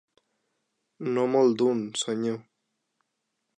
No molt d'un, senyor.